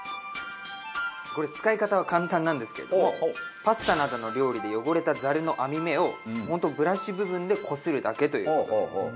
これ使い方は簡単なんですけどパスタなどの料理で汚れたザルの網目を本当ブラシ部分でこするだけという事です。